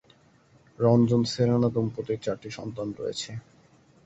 রঞ্জন-সেরেনা দম্পতির চারটি সন্তান রয়েছে।